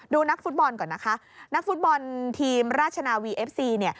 นักฟุตบอลก่อนนะคะนักฟุตบอลทีมราชนาวีเอฟซีเนี่ย